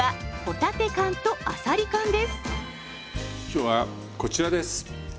今日はこちらです。